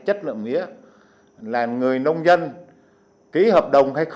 của người dân bị bỏ lại